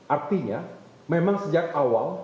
artinya memang sejak awal